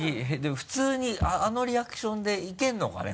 普通にあのリアクションでいけるのかね？